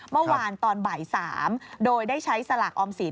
เมื่อวานตอนบ่าย๓โดยได้ใช้สลากออมสิน